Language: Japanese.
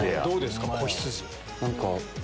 どうですか？